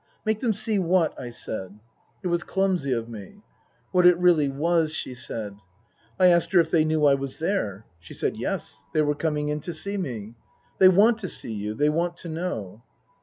" Make them see what ?" I said. (It was clumsy of me.) " What it really was," she said. I asked her if they knew I was there. She said, Yes, they were coming in to see me. " They want to see you. They want to know."